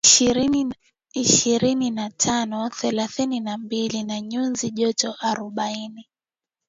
ishirini na tano na thelathini na mbili na nyuzi joto arobaini